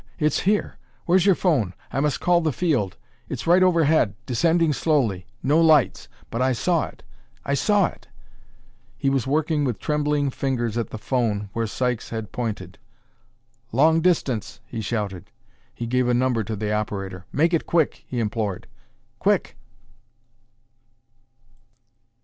It's here! Where's your phone? I must call the field! It's right overhead descending slowly no lights, but I saw it I saw it!" He was working with trembling fingers at the phone where Sykes had pointed. "Long distance!" he shouted. He gave a number to the operator. "Make it quick," he implored. "Quick!"